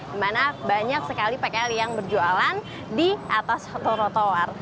dimana banyak sekali pkl yang berjualan di atas rotowar